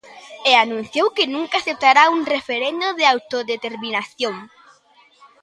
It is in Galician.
E anunciou que nunca aceptará un referendo de autodeterminación.